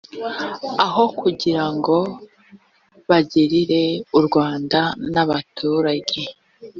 aho kugira ngo bagirire u rwanda n abaturage